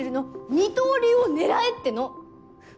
二刀流を狙えっての！